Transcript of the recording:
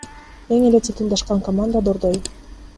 Эң эле титулдашкан команда — Дордой.